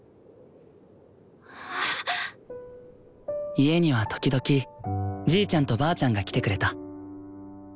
家には時々じいちゃんとばあちゃんが来てくれた。